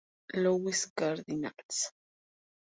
Louis Cardinals".